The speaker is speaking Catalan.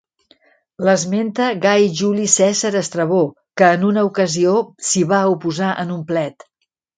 L'esmenta Gai Juli Cèsar Estrabó, que en una ocasió s'hi va oposar en un plet.